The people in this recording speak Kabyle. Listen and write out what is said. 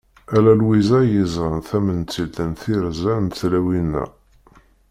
Ala Lwiza i yeẓran tamentilt n tirza n tlawin-a.